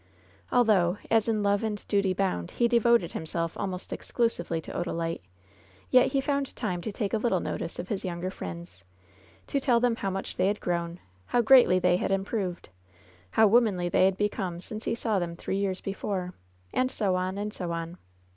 Although, as in love and duty bound, he devoted him self almost exclusively to Odalite, yet he found time to take a little notice of his younger friends — ^to tell them how much they had grown, how greatly they had im proved, how womanly they had become since he saw them three years before, and so on and so on.